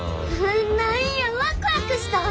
何やワクワクしたわ。